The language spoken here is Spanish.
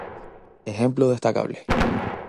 Ejemplo destacable.